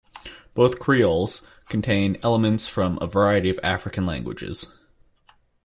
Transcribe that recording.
Both creoles contain elements from a variety of African languages.